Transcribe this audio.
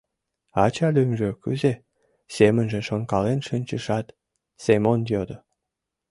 Ача лӱмжӧ кузе? — семынже шонкален шинчышат, Семон йодо.